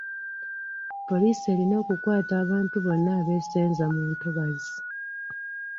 Poliisi erina okukwata abantu bonna abeesenza mu ntobazi.